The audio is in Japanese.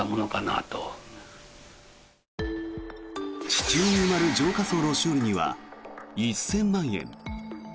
地中に埋まる浄化槽の修理には１０００万円。